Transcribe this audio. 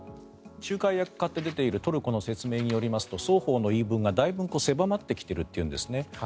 仲介役を買って出ているトルコの説明によりますと双方の言い分がだいぶ狭まってきているというんですね。